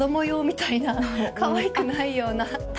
みたいなかわいくないような。